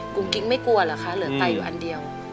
กิ๊กไม่กลัวเหรอคะเหลือไตอยู่อันเดียว